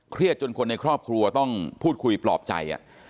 จนคนในครอบครัวต้องพูดคุยปลอบใจ